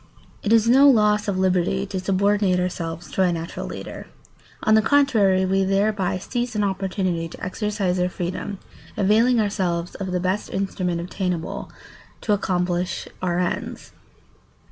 ] It is no loss of liberty to subordinate ourselves to a natural leader. On the contrary, we thereby seize an opportunity to exercise our freedom, availing ourselves of the best instrument obtainable to accomplish our ends.